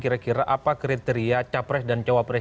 kira kira apa kriteria capres dan cawapres